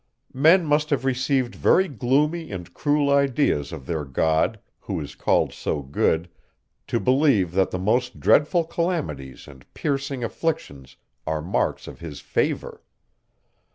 Men must have received very gloomy and cruel ideas of their God, who is called so good, to believe that the most dreadful calamities and piercing afflictions are marks of his favour!